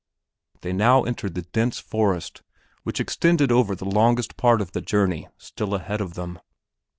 They now entered the dense forest which extended over the longest part of the journey still ahead of them.